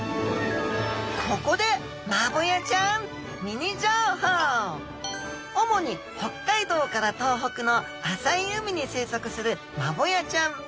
ここで主に北海道から東北の浅い海に生息するマボヤちゃん。